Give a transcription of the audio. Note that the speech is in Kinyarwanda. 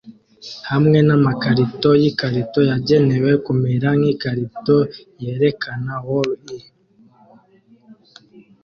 hamwe namakarito yikarito yagenewe kumera nkikarito yerekana Wall-E